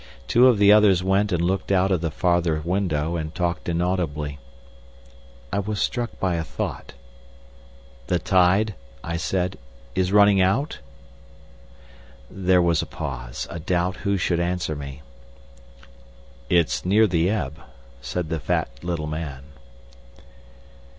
Two of the others went and looked out of the farther window and talked inaudibly. I was struck by a thought. "The tide," I said, "is running out?" There was a pause, a doubt who should answer me. "It's near the ebb," said the fat little man.